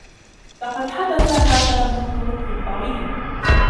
لقد حدث هذا منذ وقت طويل.